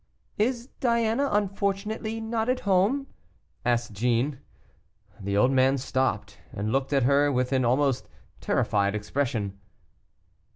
"Is Diana unfortunately not at home?" asked Jeanne. The old man stopped, and looked at her with an almost terrified expression.